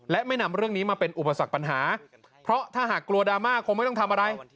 และไม่นำเรื่องนี้มาเป็นอุปสรรคปัญหาเพราะถ้าหากกลัวดราม่าคงไม่ต้องทำอะไร